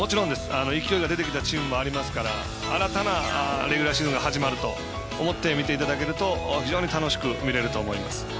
勢いが出てきたチームがありますから新たなレギュラーシーズンが始まると思ってみていただくと非常に楽しく見れると思います。